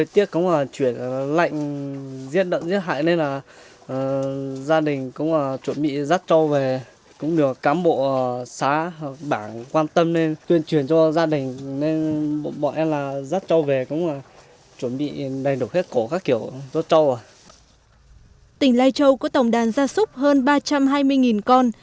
tỉnh lai châu có tổng đàn gia súc hơn ba trăm hai mươi con